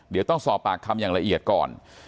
เดี๋ยวต้องสอบปากคำอย่างละเอียดก่อน